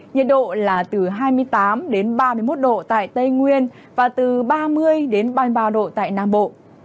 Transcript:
nhiệt độ là từ hai mươi tám ba mươi một độ tại tây nguyên và từ ba mươi đến ba mươi ba độ tại nam bộ